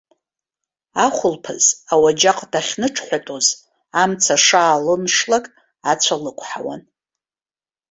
Ахәылԥаз ауаџьаҟ дахьныҽҳәатәоз, амца шаалыншлак ацәа лықәҳауан.